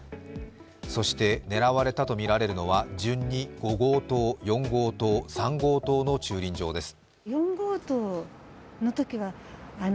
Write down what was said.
そして、狙われたとみられるのは順に５号棟、４号棟、３号棟の駐輪場です。